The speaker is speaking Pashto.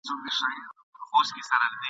كښېنستلى كرار نه يم له چالونو !.